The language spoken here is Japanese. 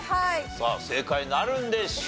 さあ正解なるんでしょうか？